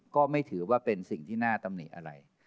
ก็ไม่ถือว่าเป็นสิ่งที่น่าตำหนิอะไร